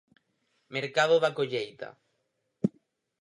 Mercado da Colleita.